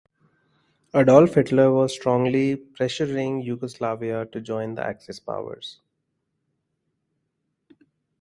Adolf Hitler was strongly pressuring Yugoslavia to join the Axis powers.